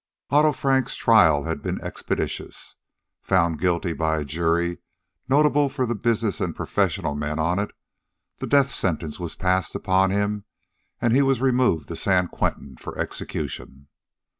Otto Frank's trial had been expeditious. Found guilty by a jury notable for the business and professional men on it, the death sentence was passed upon him and he was removed to San Quentin for execution.